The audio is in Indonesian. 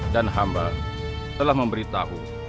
dan hamba telah memberitahu